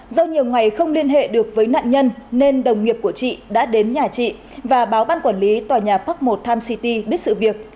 do nhiều ngày không liên hệ được với nạn nhân nên đồng nghiệp của chị đã đến nhà chị và báo ban quản lý tòa nhà park một tim city biết sự việc